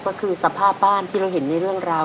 ก็คือสภาพบ้านที่เราเห็นในเรื่องราว